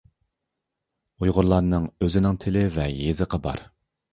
ئۇيغۇرلارنىڭ ئۆزىنىڭ تىلى ۋە يېزىقى بار.